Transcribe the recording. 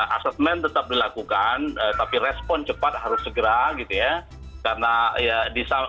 asesmen tetap dilakukan tapi respon cepat harus segera gitu ya